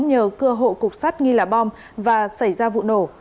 nhờ cưa hộ cục sắt nghi là bom và xảy ra vụ nổ